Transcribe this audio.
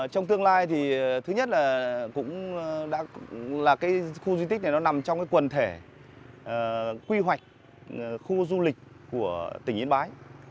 trong tương lai thì thứ nhất là cũng đã là cái khu di tích này nó nằm trong cái quần thể quy hoạch khu du lịch của tỉnh yên bái